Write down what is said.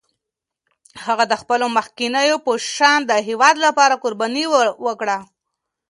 هغه د خپلو مخکینو په شان د هېواد لپاره قربانۍ وکړې.